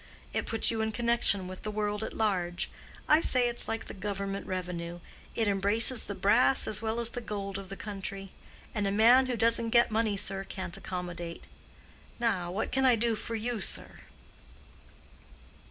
It puts you in connection with the world at large. I say it's like the government revenue—it embraces the brass as well as the gold of the country. And a man who doesn't get money, sir, can't accommodate. Now, what can I do for you, sir?"